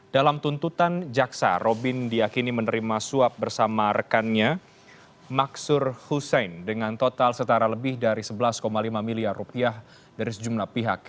dalam tuntutan jaksa robin diakini menerima suap bersama rekannya maksur hussein dengan total setara lebih dari sebelas lima miliar rupiah dari sejumlah pihak